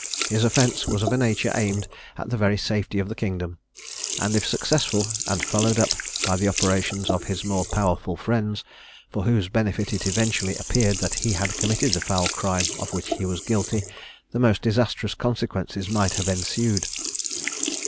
His offence was of a nature aimed at the very safety of the kingdom, and, if successful, and followed up by the operations of his more powerful friends, for whose benefit it eventually appeared that he had committed the foul crime of which he was guilty, the most disastrous consequences might have ensued.